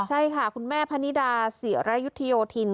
ใช่ค่ะคุณแม่พนิดาศิรยุทธโยธิน